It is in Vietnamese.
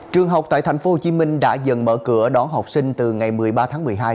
trường học tại tp hcm đã dần mở cửa đón học sinh từ ngày một mươi ba tháng một mươi hai